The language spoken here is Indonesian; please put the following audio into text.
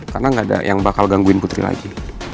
karena gak ada yang bakal gangguin putri lagi